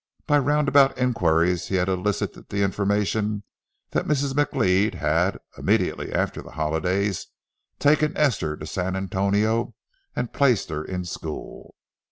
By roundabout inquiries he had elicited the information that Mrs. McLeod had, immediately after the holidays, taken Esther to San Antonio and placed her in school.